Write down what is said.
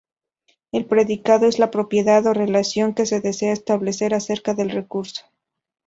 El predicado es la propiedad o relación que se desea establecer acerca del recurso.